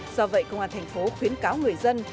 do vậy công an thành phố khuyến cáo người dân